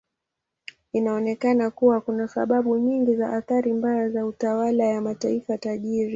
Inaonekana kuwa kuna sababu nyingi za athari mbaya ya utawala wa mataifa tajiri.